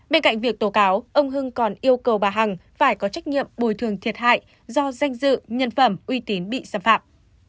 bên cạnh việc tố cáo ông hưng còn yêu cầu bà hằng phải có trách nhiệm bồi thường thiệt hại do danh dự nhân phẩm uy tín bị xâm phạm